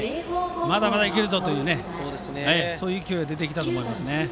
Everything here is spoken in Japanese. まだまだ行けるぞという勢いが出てきたと思います。